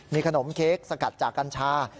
มีขนมเค้กสกัดจากกัญชา